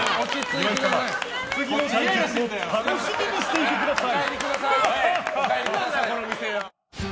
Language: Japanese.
岩井様、次の対決も楽しみにしていてください！